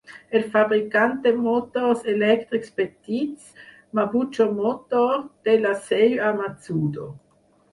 El fabricant de motors elèctrics petits, Mabuchi Motor té la seu a Matsudo.